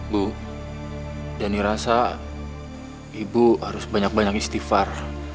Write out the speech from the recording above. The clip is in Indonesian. bu danny rasa ibu harus banyak banyak istighfar